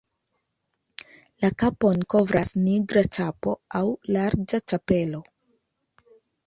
La kapon kovras nigra ĉapo aŭ larĝa ĉapelo.